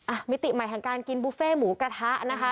มิติใหม่แห่งการกินบุฟเฟ่หมูกระทะนะคะ